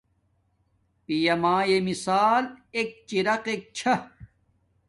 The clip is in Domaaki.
پیامایے مشال ایک چراقق چھا